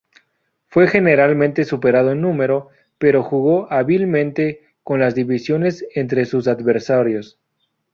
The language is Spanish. Fue generalmente superado en número, pero jugó hábilmente con las divisiones entre sus adversarios.